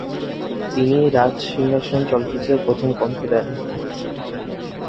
তিনি "রাজ সিংহাসন" চলচ্চিত্রে প্রথম কণ্ঠ দেন।